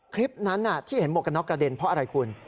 คลิปนั้นที่เห็นหมวกกระน็อกกระเด็นเพราะอะไรคุณ